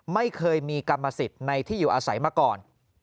ไม่เคยมีกรรมสิทธิ์ในที่อยู่อาศัยมาก่อน